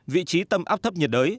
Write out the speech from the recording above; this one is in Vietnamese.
vị trí tâm áp thấp nhiệt đới